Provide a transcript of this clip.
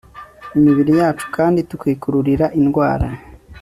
imibiri yacu kandi tukikururira indwara